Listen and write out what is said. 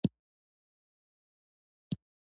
خیر دی که په خیټه موړ نه وی